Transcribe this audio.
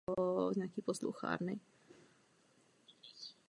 Obě tyčinky se žlutými prašníky jsou kratší než koruna.